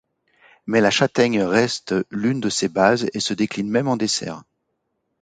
Mais la châtaigne reste l'une de ses bases et se décline même en dessert.